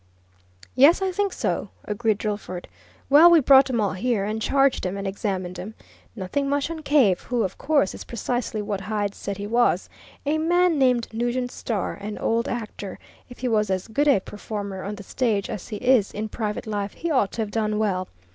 "Yes, I think so," agreed Drillford. "Well, we brought 'em all here, and charged 'em, and examined 'em. Nothing much on Cave, who, of course, is precisely what Hyde said he was a man named Nugent Starr, an old actor if he was as good a performer on the stage as he is in private life, he ought to have done well.